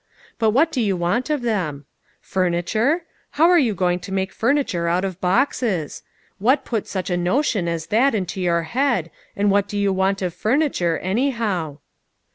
But what do you want of them ? Furniture ? How are you going to make furniture out of boxes ? What put such a notion 100 LITTLE FISHERS: AND THEIR NETS. as that into your head, and what do you want of furniture, anyhow?"